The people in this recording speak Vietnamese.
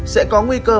sẽ có nguy cơ